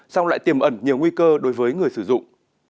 xong lại tiềm ẩn nhiều nguy cơ đối với người sử dụng